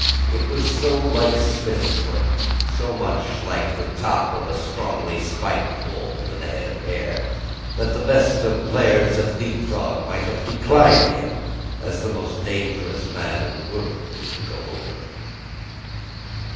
It was so like Smith's work, so much more like the top of a strongly spiked wall than a head of hair, that the best of players at leap frog might have declined him, as the most dangerous man in the world to go over.